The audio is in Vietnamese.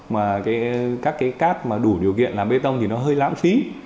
mà các cái cát mà đủ điều kiện làm bê tông thì nó hơi lãng phí